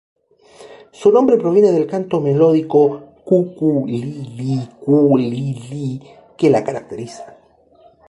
Su nombre proviene del canto melódico "cucu-lí-lí-cu-lí-lí" que la caracteriza.